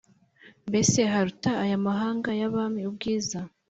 Mbese haruta aya mahanga y’abami ubwiza